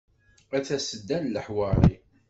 A tasedda n leḥwari.